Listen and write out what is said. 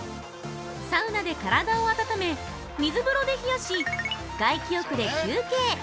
サウナで体を温め、水風呂で冷やし、外気浴で休憩。